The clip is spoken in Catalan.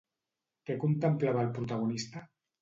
Què contemplava el protagonista?